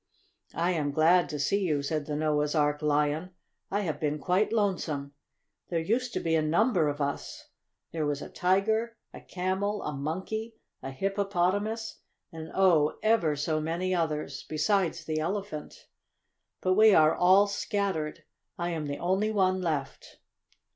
"I am glad to see you," said the Noah's Ark Lion. "I have been quite lonesome. There used to be a number of us there was a Tiger, a Camel, a Monkey, a Hippopotamus, and, oh! ever so many others, besides the Elephant. But we are all scattered. I am the only one left.